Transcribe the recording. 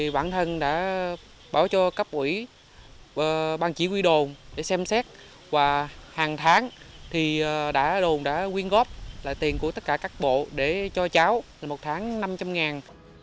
bản thân đã bảo cho các quỹ bàn chỉ huy đồn để xem xét và hàng tháng đồn đã quyên góp tiền của tất cả các bộ để cho cháu một tháng năm trăm linh ngàn